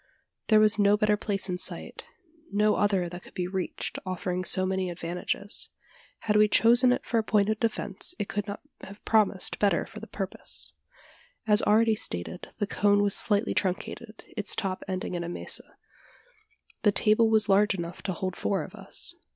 There was no better place in sight no other that could be reached, offering so many advantages. Had we chosen it for a point of defence, it could not have promised better for the purpose. As already stated, the cone was slightly truncated its top ending in a mesa. The table was large enough to hold four of us.